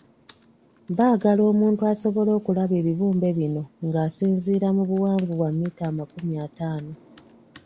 Baagala omuntu asobole okulaba ebibumbe bino nga asinziira mu buwanvu bwa mita amakumi ataano.